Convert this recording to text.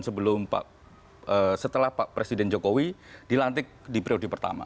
atau empat bulan setelah pak presiden jokowi dilantik di prioritas pertama